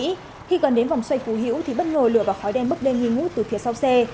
khi còn đến vòng xoay phú hữu thì bất ngờ lửa và khói đen bức đen nghi ngút từ phía sau xe